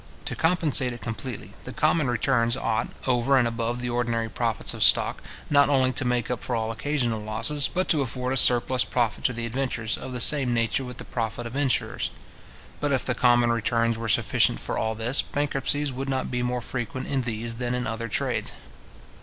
To compensate it completely, the common returns ought, over and above the ordinary profits of stock, not only to make up for all occasional losses, but to afford a surplus profit to the adventurers, of the same nature with the profit of insurers. But if the common returns were sufficient for all this, bankruptcies would not be more frequent in these than in other trades.